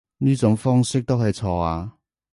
呢種方式都係錯啊